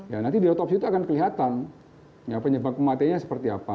ya nanti diotopsi itu akan kelihatan ya penyebab kematiannya seperti apa